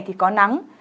thì có nắng